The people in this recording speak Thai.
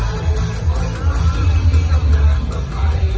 มีใครก็ไม่ต้องร้อยก็ไม่ต้องร้อย